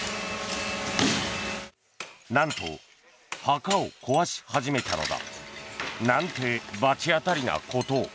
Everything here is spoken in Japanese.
なんと、墓を壊し始めたのだ。なんて罰当たりなことを。